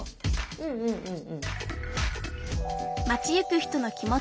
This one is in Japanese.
うんうんうん。